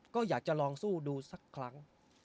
ก็อยากจะลองสู้ดูสักครั้ง